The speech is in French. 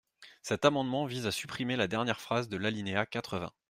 Cet amendement vise à supprimer la dernière phrase de l’alinéa quatre-vingts.